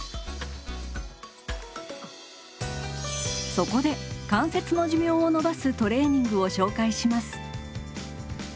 そこで関節の寿命を延ばすトレーニングを紹介します。